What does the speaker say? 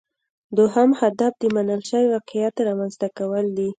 دوهم هدف د منل شوي واقعیت رامینځته کول دي